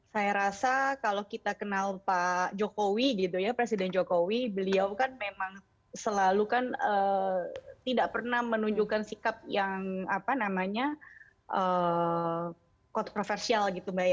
saya rasa kalau kita kenal pak jokowi presiden jokowi beliau kan memang selalu tidak pernah menunjukkan sikap yang kontroversial